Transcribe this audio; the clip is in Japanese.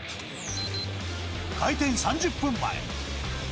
開店３０分前。